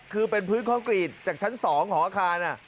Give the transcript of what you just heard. คือเป็นพื้นคอนกรีตจากชั้น๒ของอาคาร